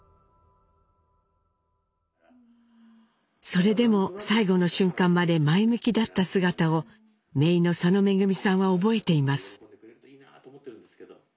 それでも最期の瞬間まで前向きだった姿をめいの佐野恵さんは覚えています。